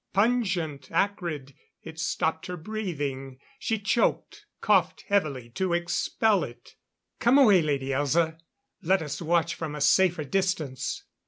Pungent, acrid. It stopped her breathing. She choked, coughed heavily to expel it. "Come away, Lady Elza. Let us watch from a safer distance."